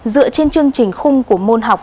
dựa trên chương trình khung của môn học